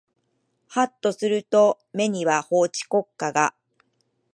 はっとすると目には法治国家が